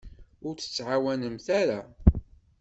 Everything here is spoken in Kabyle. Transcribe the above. Ur ttɛawanent ara.